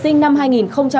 nguyễn quang tú